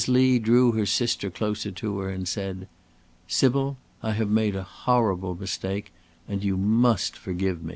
Lee drew her sister closer to her, and said: "Sybil, I have made a horrible mistake, and you must forgive me."